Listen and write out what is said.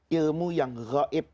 ilmu yang goib